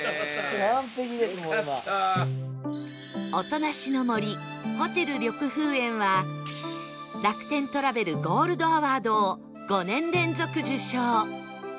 音無の森ホテル緑風園は楽天トラベルゴールドアワードを５年連続受賞